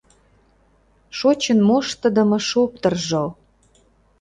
Шочын моштыдымо шоптыржо